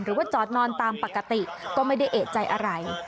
หรือว่าจอดนอนตามปกติก็ไม่ได้เอกใจอะไร